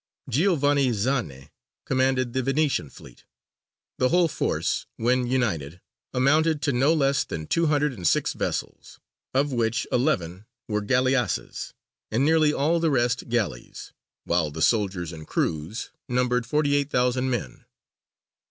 Giovanni Zanne commanded the Venetian fleet. The whole force, when united, amounted to no less than two hundred and six vessels, of which eleven were galleasses, and nearly all the rest galleys; while the soldiers and crews numbered forty eight thousand men.